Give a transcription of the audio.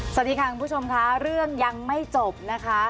สวัสดีค่ะคุณผู้ชมค่ะเรื่องยังไม่จบนะคะ